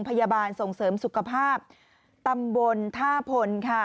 พยาบาลส่งเสริมสุขภาพตำบลท่าพลค่ะ